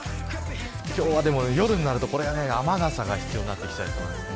今日は夜になると雨傘が必要になってきちゃいそうです。